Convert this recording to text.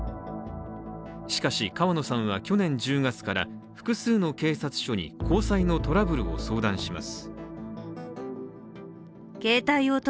しかし、川野さんは去年１０月から複数の警察署に交際のトラブルを相談します。